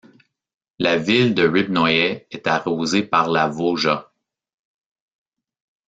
La ville de Rybnoïe est arrosée par la Voja.